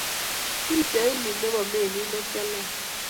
Picha ini nepo melit nekialany.